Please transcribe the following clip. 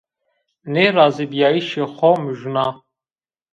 Nêrazîbîyayîşê xo mojna